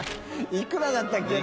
いくらだったっけな？